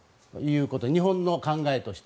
日本の考えとして。